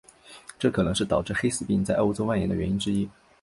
这可能是导致黑死病在欧洲蔓延的原因之一。